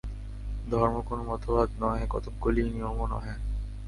ধর্ম কোন মতবাদ নহে, কতকগুলি নিয়মও নহে।